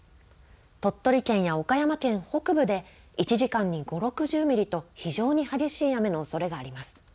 鳥取県や岡山県北部で、１時間に５、６０ミリと、非常に激しい雨のおそれがあります。